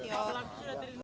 terima kasih pak setia